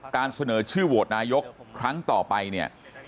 การเสนอชื่อโหวตนายกครั้งต่อไปเนี่ย